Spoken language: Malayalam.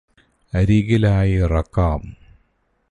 അരികിലായി ഇറക്കാം